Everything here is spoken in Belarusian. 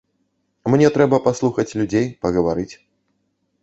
Мне трэба паслухаць людзей, пагаварыць.